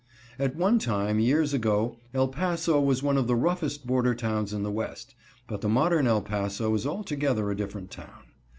At one time, years ago, El Paso was one of the roughest border towns in the West, but the modern El Paso is altogether a different town.